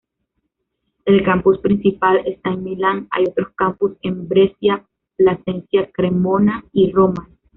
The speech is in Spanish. El campus principal está en Milán, hay otros campus en Brescia, Plasencia-Cremona y Roma.